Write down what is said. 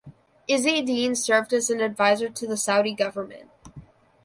Izzi Dien served as an adviser to the Saudi government.